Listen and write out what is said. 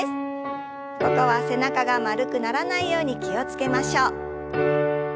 ここは背中が丸くならないように気を付けましょう。